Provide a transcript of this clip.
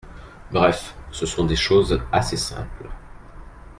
Bref, ce sont des choses assez simples.